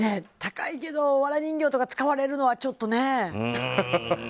高いけど、わら人形とか使われるのはちょっとね。